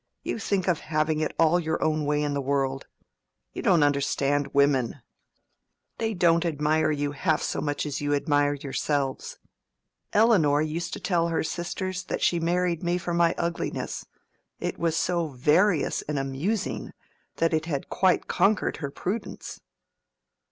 you think of having it all your own way in the world. You don't understand women. They don't admire you half so much as you admire yourselves. Elinor used to tell her sisters that she married me for my ugliness—it was so various and amusing that it had quite conquered her prudence."